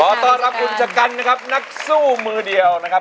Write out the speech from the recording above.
ต้อนรับคุณชะกันนะครับนักสู้มือเดียวนะครับ